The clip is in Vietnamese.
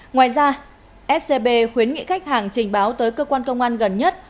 ngoài ra scb khuyến nghị khách hàng trình báo tới cơ quan công an gần nhất